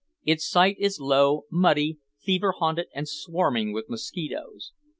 Its site is low, muddy, fever haunted, and swarming with mosquitoes.